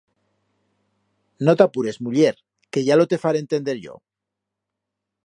No t'apures, muller, que ya lo te faré entender yo.